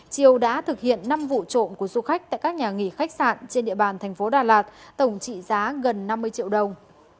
triều đã thực hiện năm vụ trộm của du khách tại các nhà nghỉ khách sạn trên địa bàn thành phố đà lạt tổng trị giá gần năm mươi triệu đồng